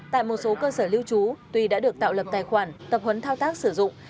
tại một số cơ sở lưu trú tuy đã được tạo lập tài khoản tập huấn thao tác sử dụng